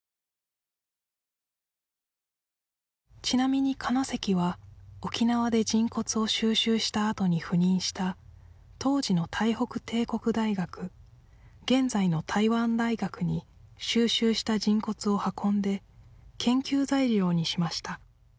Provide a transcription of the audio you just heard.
ちなみに金関は沖縄で人骨を収集したあとに赴任した当時の台北帝国大学現在の台湾大学に収集した人骨を運んで研究材料にしました